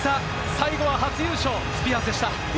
最後は初優勝、スピアーズでした。